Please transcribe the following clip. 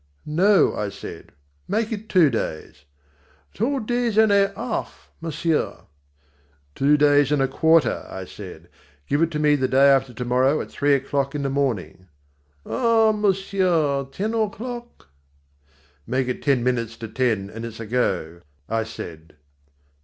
"No," I said, "make it two days." "Two days and a half, monsieur." "Two days and a quarter," I said; "give it me the day after to morrow at three o'clock in the morning." "Ah, monsieur, ten o'clock." "Make it ten minutes to ten and it's a go," I said.